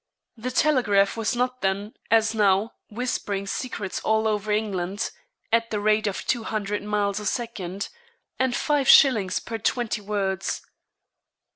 The telegraph was not then, as now, whispering secrets all over England, at the rate of two hundred miles a second, and five shillings per twenty words.